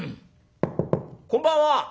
こんばんは」。